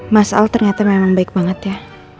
mas al ternyata memang baik banget ya